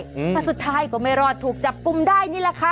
แต่สุดท้ายก็ไม่รอดถูกจับกุมได้นี่แหละค่ะ